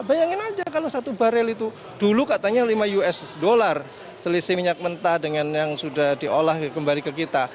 bayangin aja kalau satu barel itu dulu katanya lima usd selisih minyak mentah dengan yang sudah diolah kembali ke kita